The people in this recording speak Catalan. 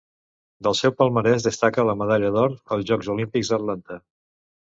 Del seu palmarès destaca la medalla d'or als Jocs Olímpics d'Atlanta.